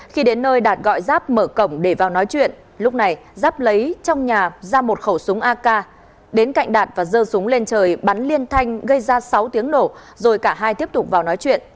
khi đến nơi đạt gọi giáp mở cổng để vào nói chuyện lúc này giáp lấy trong nhà ra một khẩu súng ak đến cạnh đạt và dơ súng lên trời bắn liên thanh gây ra sáu tiếng nổ rồi cả hai tiếp tục vào nói chuyện